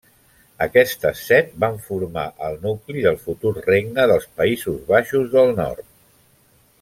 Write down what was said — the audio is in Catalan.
Aquestes set van formar el nucli del futur regne dels Països Baixos del nord.